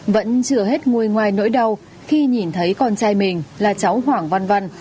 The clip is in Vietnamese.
vẫn chưa hết ngồi ngoài nỗi đau khi nhìn thấy con trai mình là cháu hoàng văn văn